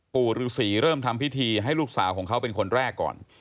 ปู่ฤษีเริ่มทำพิธีให้ลูกสาวของเขาเป็นคนแรกก่อน